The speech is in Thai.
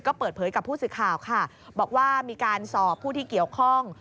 ก็เปิดเผยกับผู้สื่อข่าวค่ะบอกว่ามีการสอบผู้ที่เกี่ยวข้อง